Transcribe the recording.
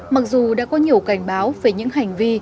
mặc dù đã có nhiều cảnh báo về những hành vi